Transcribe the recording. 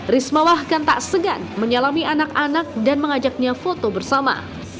risma bahkan tak segan menyalami anak anak dan mengajaknya foto bersama